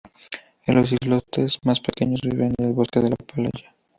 En los islotes más pequeños, vive en el bosque de la playa.